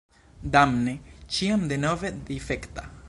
Damne, ĉiam denove difekta!